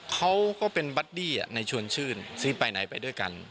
เขาก็เป็นบัดดี้ในชวนชื่นซีนไปไหนไปด้วยกัน